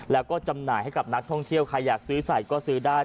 แล้วก็จำหน่ายให้กับนักท่องเที่ยวใครอยากซื้อใส่ก็ซื้อได้